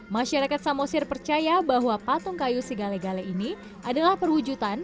masyarakat samosir percaya bahwa patung kayu sigale gale ini adalah perwujudan